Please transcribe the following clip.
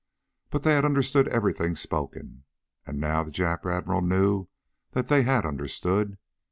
But they had understood everything spoken. And now the Jap Admiral knew that they had understood.